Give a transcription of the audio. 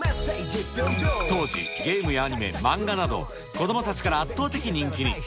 当時、ゲームやアニメ、漫画など、子どもたちから圧倒的人気に。